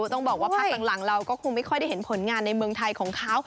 ต้องบอกว่าพักหลังเราก็คงไม่ค่อยได้เห็นผลงานในเมืองไทยของเขา